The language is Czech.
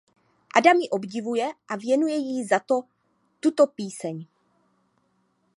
Adam ji obdivuje a věnuje jí za to tuto píseň.